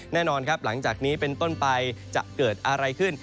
แน่นอนครับหลังจากนี้เป็นต้นไปจะเกิดอะไรขึ้น